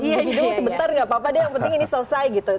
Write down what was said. nanti dihidup sebentar nggak apa apa deh yang penting ini selesai gitu